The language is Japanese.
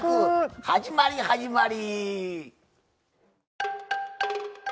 始まり始まり！